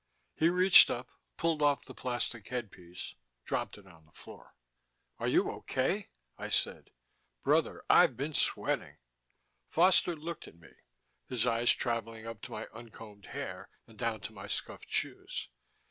He reached up, pulled off the plastic headpiece, dropped it on the floor. "Are you okay?" I said. "Brother, I've been sweating...." Foster looked at me, his eyes traveling up to my uncombed hair and down to my scuffed shoes.